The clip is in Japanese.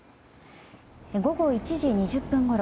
午後１時２０分ごろ